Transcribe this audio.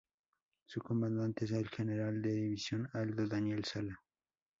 Su comandante es el general de división Aldo Daniel Sala.